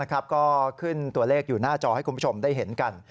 ก็ขึ้นตัวเลขอยู่หน้าจอให้คุณผู้ชมได้เห็นกัน